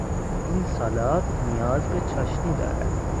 این سالاد نیاز به چاشنی دارد.